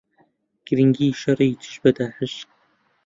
گرنگی شەڕی دژ بە داعش